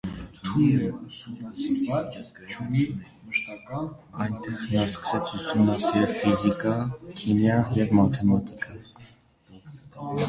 Այնտեղ նա սկսեց ուսումնասիրել ֆիզիկա, քիմիա և մաթեմատիկա։